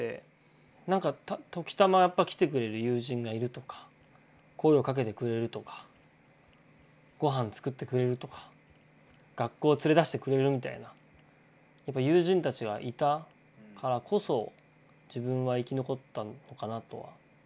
なんか時たま来てくれる友人がいるとか声をかけてくれるとかごはん作ってくれるとか学校連れ出してくれるみたいな友人たちがいたからこそ自分は生き残ったのかなとは。